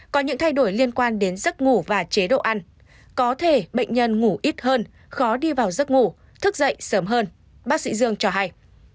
có những thay đổi liên quan đến giấc ngủ và chế độ ăn có thể bệnh nhân ngủ ít hơn khó đi vào giấc ngủ thức dậy sớm hơn bác sĩ dương cho hay